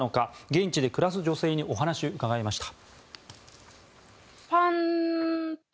現地で暮らす女性にお話を伺いました。